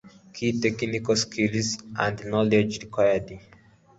Key Technical Skills & Knowledge required